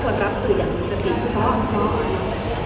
เพราะตอนนี้ในชีวิตของคนของเรา